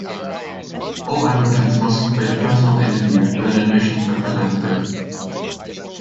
All applicants must complete a personal interview with an admissions representative.